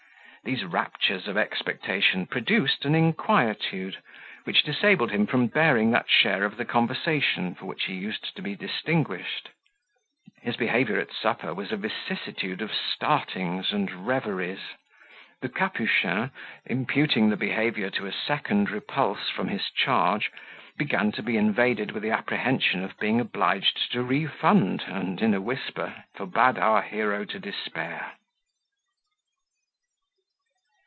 These raptures of expectation produced an inquietude, which disabled him from bearing that share of the conversation for which he used to be distinguished. His behaviour at supper was a vicissitude of startings and reveries. The Capuchin, imputing the disorder to a second repulse from his charge, began to be invaded with the apprehension of being obliged to refund, and in a whisper forbade our hero to despair.